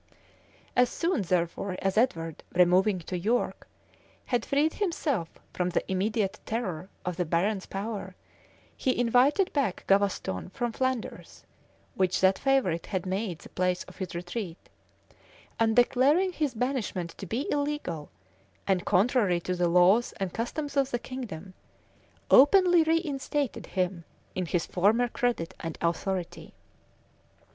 As soon, therefore, as Edward, removing to York, had freed himself from the immediate terror of the barons' power, he invited back Gavaston from Flanders, which that favorite had made the place of his retreat; and declaring his banishment to be illegal, and contrary to the laws and customs of the kingdom,[*] openly reinstated him in his former credit and authority.